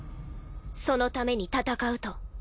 そのために戦うと。